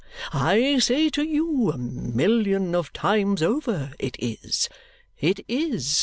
I say to you, a million of times over, it is. It is!